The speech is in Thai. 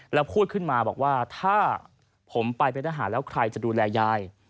แล้วพูดขึ้นมาบอกว่าถ้าผมไปเป็นทหารแล้วใครจะดูแลยาย